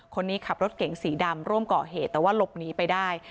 คนนี้ขับรถเก๋งสีดำร่วมก่อเหตุแต่ว่าหลบหนีไปได้